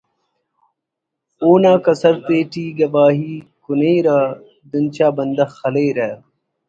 اونا کسر تیٹی گوہی کنیرہ دنچا بندغ خلیرہ